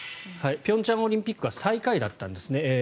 平昌オリンピックは最下位だったんですね。